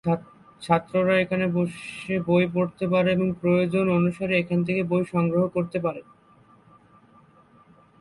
ছাত্ররা এখানে এসে বই পড়তে পারে, এবং প্রয়োজন অনুসারে এখান থেকে বই সংগ্রহ করতে পারে।